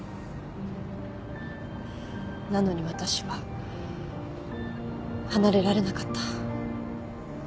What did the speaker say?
なのに私は離れられなかった。